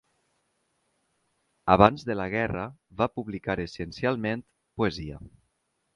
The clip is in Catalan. Abans de la guerra va publicar essencialment poesia.